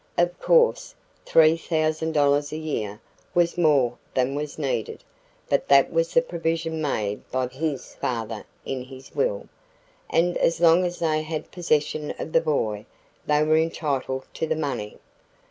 Of course, $3,000 a year was more than was needed, but that was the provision made by his father in his will, and as long as they had possession of the boy they were entitled to the money.